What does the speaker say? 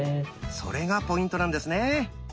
それがポイントなんですね。